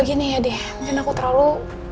gini ya deh mungkin aku terlalu